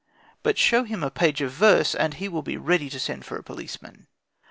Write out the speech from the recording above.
But show him a page of verse, and he will be ready to send for a policeman.